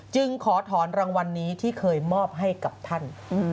จึงขอถอนรางวัลนี้ที่เคยมอบให้กับท่าน